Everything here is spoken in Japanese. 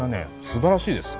すばらしいです。